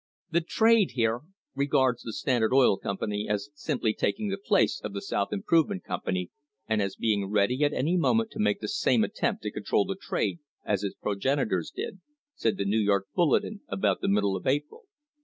"The trade here regards the Standard Oil Company as sim ply taking the place of the South Improvement Company and as being ready at any moment to make the same attempt to control the trade as its progenitors did," said the New York Bulletin about the middle of April.